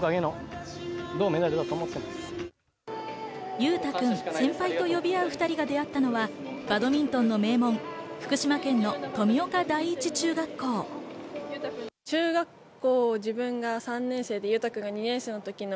勇大君、先輩と呼び合う２人が出会ったのは、バドミントンの名門・福島県の富岡第一中学校。